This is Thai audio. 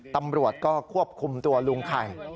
ตำรวจก็ควบคุมตัวลุงไข่